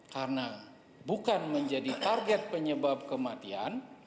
karena bukan menjadi target penyebab kematian